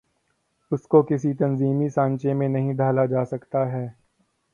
اس کو کسی تنظیمی سانچے میں نہیں ڈھا لا جا سکتا ہے۔